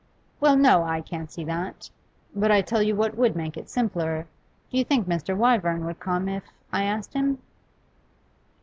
'Well, no, I can't see that. But I tell you what would make it simpler: do you think Mr. Wyvern would come if I, asked him?